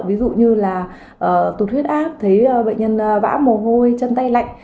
ví dụ như là tụt huyết áp thấy bệnh nhân vã mồ hôi chân tay lạnh